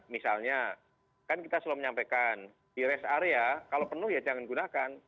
misalnya kan kita selalu menyampaikan di rest area kalau penuh ya jangan gunakan